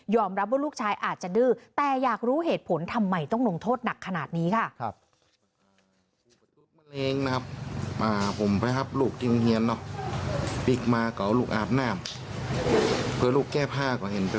รับว่าลูกชายอาจจะดื้อแต่อยากรู้เหตุผลทำไมต้องลงโทษหนักขนาดนี้ค่ะ